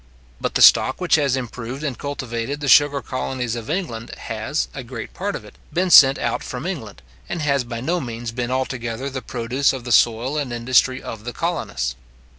But the stock which has improved and cultivated the sugar colonies of England, has, a great part of it, been sent out from England, and has by no means been altogether the produce of the soil and industry of the colonists.